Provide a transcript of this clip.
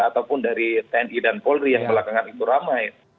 ataupun dari tni dan polri yang belakangan itu ramai